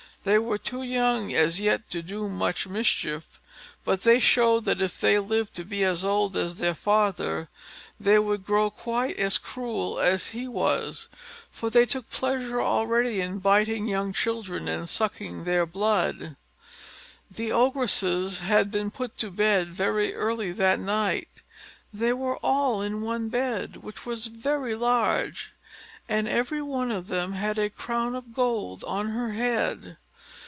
They were too young as yet to do much mischief; but they showed that if they lived to be as old as their father, they would grow quite as cruel as he was, for they took pleasure already in biting young children, and sucking their blood. The Ogresses had been put to bed very early that night; they were all in one bed, which was very large, and every one of them had a crown of gold on her head.